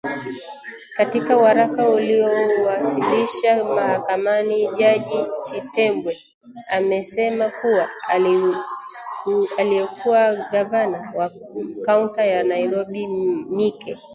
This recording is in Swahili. Katika waraka aliouwasilisha mahakamani jaji Chitembwe amesema kuwa aliyekuwa gavana wa kaunta ya Nairobi Mike